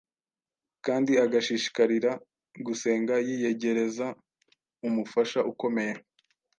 kandi agashishikarira gusenga yiyegereza Umufasha ukomeye